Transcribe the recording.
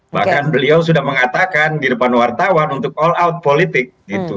bahkan beliau sudah mengatakan di depan wartawan untuk all out politik